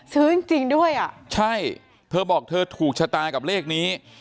จริงจริงด้วยอ่ะใช่เธอบอกเธอถูกชะตากับเลขนี้